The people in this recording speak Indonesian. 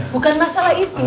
bukan masalah itu